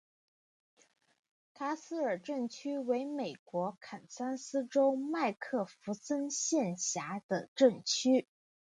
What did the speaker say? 卡斯尔镇区为美国堪萨斯州麦克弗森县辖下的镇区。